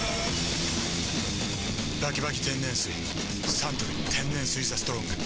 サントリー天然水「ＴＨＥＳＴＲＯＮＧ」激泡